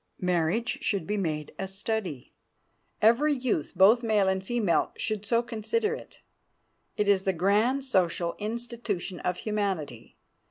Marriage should be made a study. Every youth, both male and female, should so consider it. It is the grand social institution of humanity.